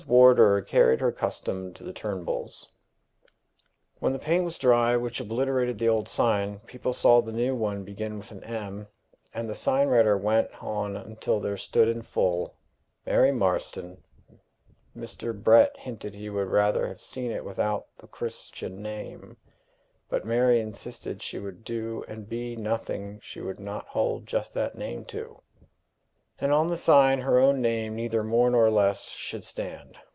Wardour carried her custom to the Turnbulls. When the paint was dry which obliterated the old sign, people saw the now one begin with an M., and the sign writer went on until there stood in full, Mary Marston. Mr. Brett hinted he would rather have seen it without the Christian name; but Mary insisted she would do and be nothing she would not hold just that name to; and on the sign her own name, neither more nor less, should stand.